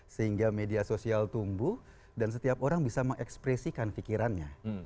sehingga media sosial tumbuh dan setiap orang bisa mengekspresikan pikirannya